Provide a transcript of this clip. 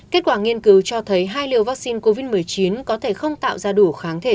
kết quả nghiên cứu cho thấy hai liều vaccine covid một mươi chín có thể không tạo ra đủ kháng thể